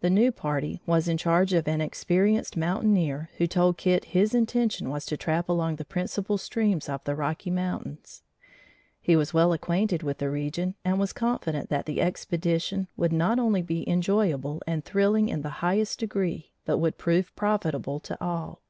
The new party was in charge of an experienced mountaineer, who told Kit his intention was to trap along the principal streams of the Rocky Mountains. He was well acquainted with the region and was confident that the expedition would not only be enjoyable and thrilling in the highest degree, but would prove profitable to all.